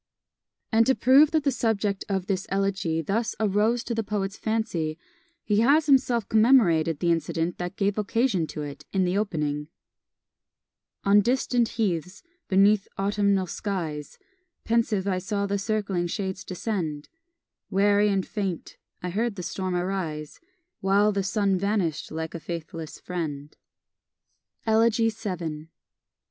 And to prove that the subject of this elegy thus arose to the poet's fancy, he has himself commemorated the incident that gave occasion to it, in the opening: On distant heaths, beneath autumnal skies, Pensive I saw the circling shades descend; Weary and faint, I heard the storm arise, While the sun vanish'd like a faithless friend. Elegy vii.